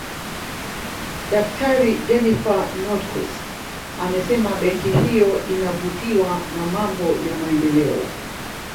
Daktari Jennifer Nordquist amesema benki hiyo inavutiwa na mambo ya maendeleo